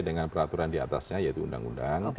dengan peraturan diatasnya yaitu undang undang